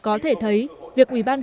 có thể thấy việc ủy ban thư giãn